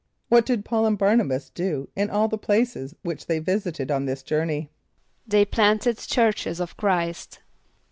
= What did P[a:]ul and Bär´na b[)a]s do in all the places which they visited on this journey? =They planted churches of Chr[=i]st.